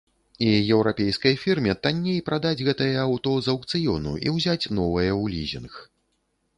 І еўрапейскай фірме танней прадаць гэтае аўто з аўкцыёну і ўзяць новае ў лізінг.